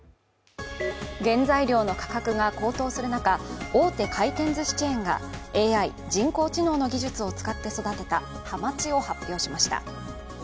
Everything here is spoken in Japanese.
原材料の価格が高騰する中、大手回転ずしチェーンがＡＩ＝人工知能の技術を使って育てた、はまちを発表しました。